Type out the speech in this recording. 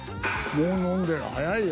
もう飲んでる早いよ。